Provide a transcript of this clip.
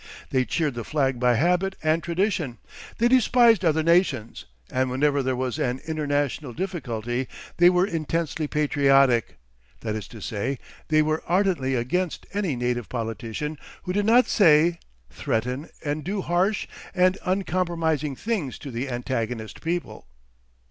They cheered the flag by habit and tradition, they despised other nations, and whenever there was an international difficulty they were intensely patriotic, that is to say, they were ardently against any native politician who did not say, threaten, and do harsh and uncompromising things to the antagonist people.